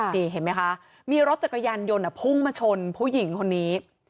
นี่เห็นไหมคะมีรถจักรยานยนต์พุ่งมาชนผู้หญิงคนนี้